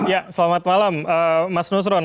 ya selamat malam mas nusron